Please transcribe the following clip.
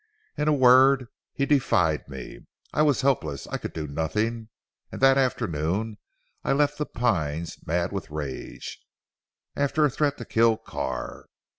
In a word he defied me. I was helpless. I could do nothing, and that afternoon I left 'The Pines' mad with rage, after a threat to kill Carr.